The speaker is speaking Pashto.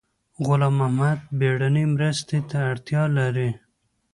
غلام محد بیړنۍ مرستې ته اړتیا لري